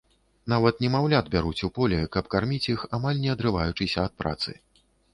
Нават немаўлят бяруць у поле, каб карміць іх, амаль не адрываючыся ад працы.